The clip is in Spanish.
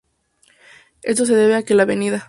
Esto se debe a que la Av.